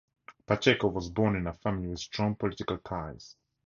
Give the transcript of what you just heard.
Pacheco was born in a family with strong political ties.